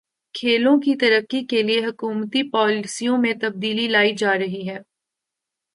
کھیلوں کی ترقی کے لیے حکومتی پالیسیوں میں تبدیلی لائی جا رہی ہے